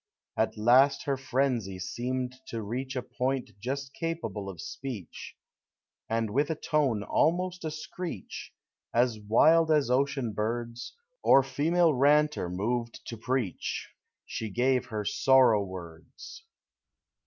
At last her frenzy seemed to reach A point just capable of speech, And with a tone almost a screech, As wild as ocean bird's, Or female ranter moved to preach, She gave her " sorrow words.